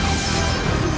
aku akan menang